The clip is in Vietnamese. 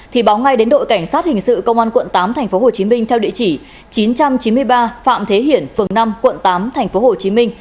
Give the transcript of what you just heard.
thì báo ngay đến đội cảnh sát hình sự công an quận tám tp hcm theo địa chỉ chín trăm chín mươi ba phạm thế hiển phường năm quận tám tp hcm